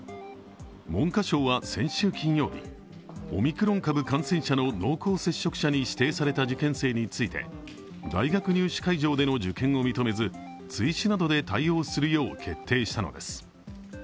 文科省は先週金曜日、オミクロン株感染者の濃厚接触者に指定された受験生について大学入試会場での受験を認めず、追試などで対応するよう決定したのです。